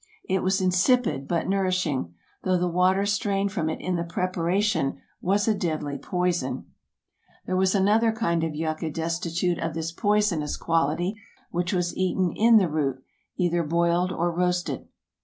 It was insipid, but nourishing, though the water strained from it in the preparation was a deadly poison. 24 TRAVELERS AND EXPLORERS There was another kind of yuca destitute of this poisonous quality, which was eaten in the root, either boiled or roasted.